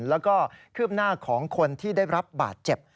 แล้วก็คืบหน้าของคนที่ได้รับบาดเจ็บ